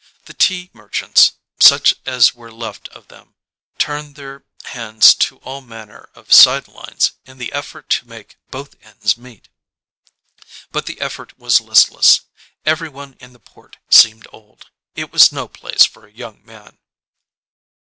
The tea merchants, such as were left of them, turned their hands to all manner of side lines in the effort to make both ends meet. But the effort was listless. Everyone in the port seemed old. It was no place for a young man.